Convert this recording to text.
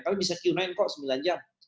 kami bisa q sembilan kok sembilan jam